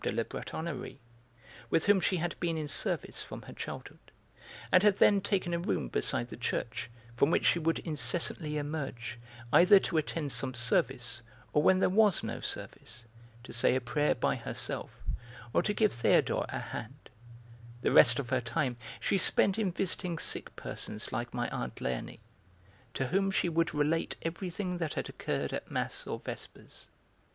de la Bretonnerie, with whom she had been in service from her childhood, and had then taken a room beside the church, from which she would incessantly emerge, either to attend some service, or, when there was no service, to say a prayer by herself or to give Théodore a hand; the rest of her time she spent in visiting sick persons like my aunt Léonie, to whom she would relate everything that had occurred at mass or vespers.